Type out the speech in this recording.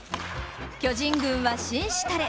巨人軍は紳士たれ。